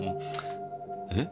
えっ？